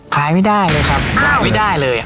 ขายไม่ได้เลยครับขายไม่ได้เลย